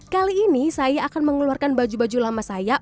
kali ini saya akan mengeluarkan baju baju lama saya